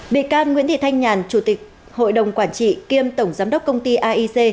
bị can nguyễn thị thanh nhàn chủ tịch hội đồng quản trị kiêm tổng giám đốc công ty aic